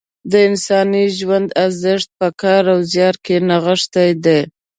د انساني ژوند ارزښت په کار او زیار کې نغښتی دی.